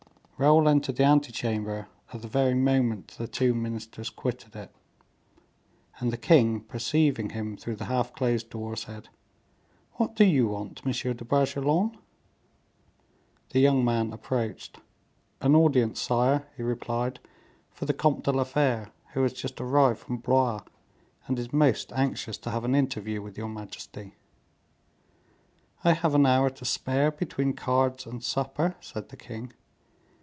Raoul entered the ante chamber at the very moment the two ministers quitted it, and the king, perceiving him through the half closed door, said, "What do you want, M. de Bragelonne?" The young man approached: "An audience, sire," he replied, "for the Comte de la Fere, who has just arrived from Blois, and is most anxious to have an interview with your majesty." "I have an hour to spare between cards and supper," said the king.